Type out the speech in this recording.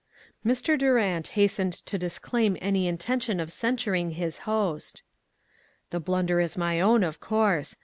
Mr. Durant hastened to disclaim any in tention of censuring his host. "The blunder is my own, of course.